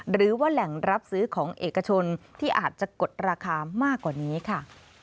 หรือว่าแหล่งรับซื้อของเอกชนที่อาจจะกดราคามากกว่านี้ค่ะ